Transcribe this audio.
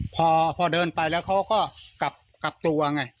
พอเดินไปแล้วเขาก็กลับตัวไง